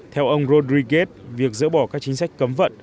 theo ông rodriguez việc dỡ bỏ các chính sách cấm vận